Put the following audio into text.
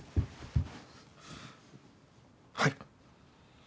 はい。